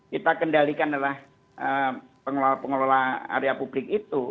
kita kendalikan adalah pengelola pengelola area publik itu